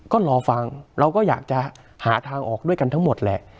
ก็รอฟังเราก็อยากจะหาทางออกด้วยกันทั้งหมดแหละ